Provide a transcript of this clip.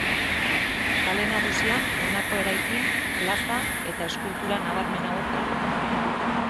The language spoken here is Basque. Kale Nagusian honako eraikin, plaza eta eskultura nabarmen hauek daude.